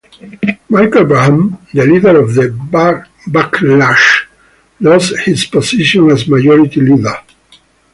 Michael Bragman, the leader of the backlash, lost his position as majority leader.